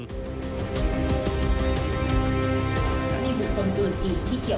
ฉันคือเว้ย